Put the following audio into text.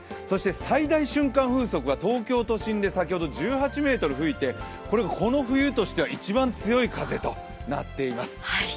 最大瞬間風速が東京都心で先ほど１８メートル吹いてこの冬としては一番強い風となっています。